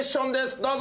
どうぞ！